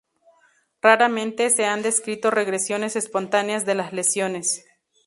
Raramente, se han descrito regresiones espontáneas de las lesiones.